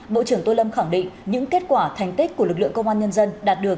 bộ trưởng tô lâm khẳng định những kết quả thành tích của lực lượng công an nhân dân đạt được